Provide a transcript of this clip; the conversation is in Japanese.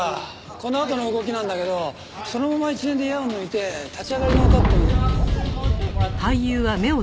このあとの動きなんだけどそのまま一連で矢を抜いて立ち上がりのカットまで。